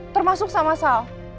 termasuk sama sal